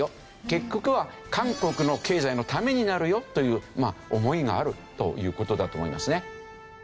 結局は韓国の経済のためになるよという思いがあるという事だと思いますね。